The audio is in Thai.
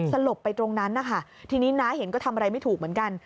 สลบไปตรงนั้นนะคะทีนี้น้าเห็นก็ทำอะไรไม่ถูกเหมือนกัน